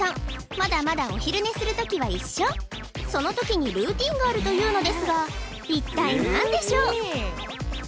まだまだお昼寝する時は一緒その時にルーティンがあるというのですが一体何でしょう？